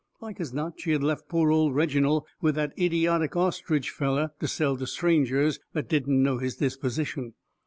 Like as not she had left poor old Reginald with that idiotic ostrich feller to sell to strangers that didn't know his disposition.